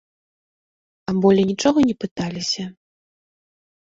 А болей нічога не пыталіся?